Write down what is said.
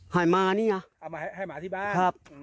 ข่ายมาให้ให้มาที่บ้าน